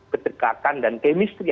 kedekatan dan chemistry